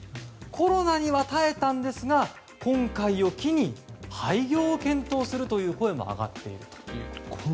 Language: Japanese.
コロナには耐えたんですが今回を機に廃業を検討するという声も上がっているということです。